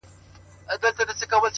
ښه به وي چي دا يې خوښـــه ســـوېده”